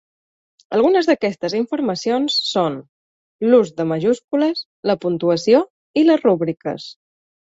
Algunes d'aquestes informacions són: l'ús de majúscules, la puntuació i les rúbriques.